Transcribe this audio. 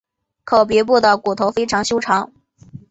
口鼻部的骨头非常修长。